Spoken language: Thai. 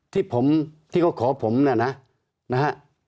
ที่ผมที่เขาขอผมเนี่ยนะนะฮะ